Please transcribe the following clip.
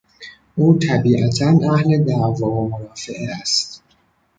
او طبیعتا اهل دعوا و مرافعه است.